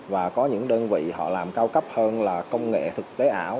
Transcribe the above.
và có những đơn vị họ làm cao cấp hơn là công nghệ thực tế ảo